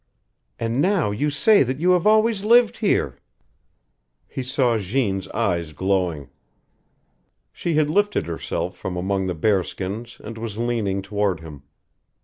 And now you say that you have always lived here!" He saw Jeanne's eyes glowing. She had lifted herself from among the bearskins and was leaning toward him.